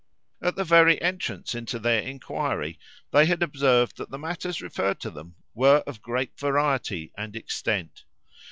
At the very entrance into their inquiry, they had observed that the matters referred to them were of great variety and extent.